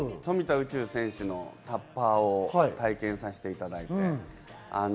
宇宙選手のタッパーも体験させていただいて。